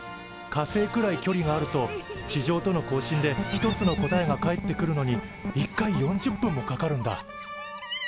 火星くらい距離があると地上との交信で１つの答えが返ってくるのに１回４０分もかかるんだ。